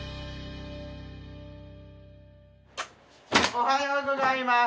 おはようございます。